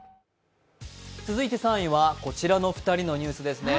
続いて３位はこちらの２人のニュースですね。